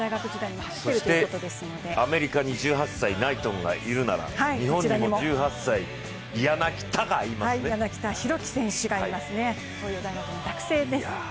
そしてアメリカに１８歳のナイトンがいるなら日本にも１８歳、柳田大輝選手がいます。